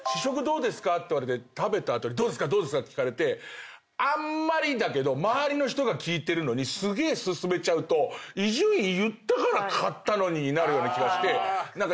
て言われて食べた後に「どうですか？」って聞かれてあんまりだけど周りの人が聞いてるのに薦めちゃうと「伊集院言ったから買ったのに」になるような気がして何か。